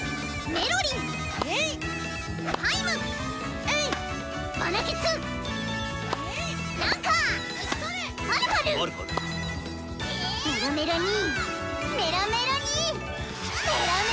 メロメロに！